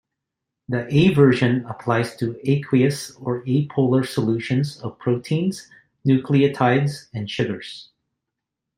The A-version applies to aqueous or apolar solutions of proteins, nucleotides, and sugars.